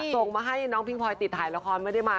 ส่งมาให้น้องพิงพลอยติดถ่ายละครไม่ได้มา